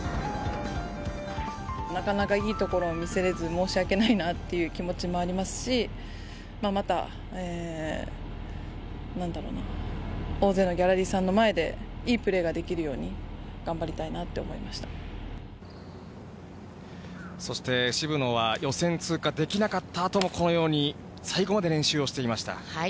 なかなかいいところを見せれず、申し訳ないなっていう気持ちもありますし、また、なんだろうな、大勢のギャラリーさんの前で、いいプレーができるように、頑張りそして、渋野は予選通過できなかったあとも、このように最後まで練習をしていました。